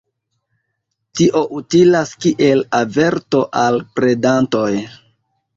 Tio utilas kiel averto al predantoj.